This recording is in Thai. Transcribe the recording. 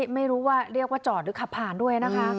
ไม่รู้ว่าเรียกว่าจอดหรือขับผ่านด้วยนะคะ